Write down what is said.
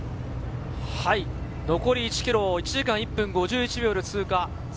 残り１ｋｍを１時間１分５１秒で通過。